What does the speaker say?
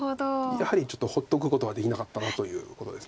やはりちょっと放っとくことはできなかったということです。